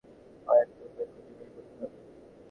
যদি আমাদের শহরটা রক্ষা করতে হয়, একটা উপায় খুঁজে বের করতে হবে।